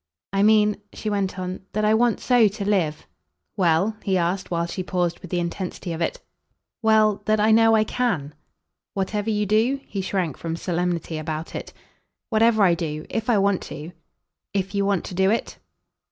"I mean," she went on, "that I want so to live !" "Well?" he asked while she paused with the intensity of it. "Well, that I know I CAN." "Whatever you do?" He shrank from solemnity about it. "Whatever I do. If I want to." "If you want to do it?"